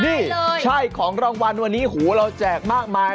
นี่ใช่ของรางวัลวันนี้หูเราแจกมากมาย